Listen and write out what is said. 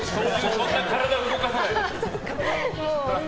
そんな体動かさないよ。